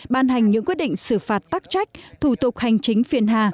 ban hành những quyết định xử phạt tắc trách thủ tục hành chính phiền hà